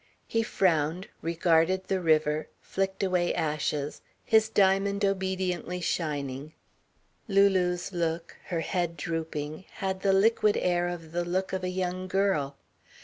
He frowned, regarded the river, flicked away ashes, his diamond obediently shining. Lulu's look, her head drooping, had the liquid air of the look of a young girl.